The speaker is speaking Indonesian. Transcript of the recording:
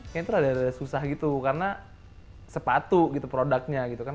kayaknya itu agak susah gitu karena sepatu gitu produknya gitu kan